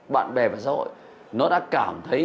bạn bè và xã hội nó đã cảm thấy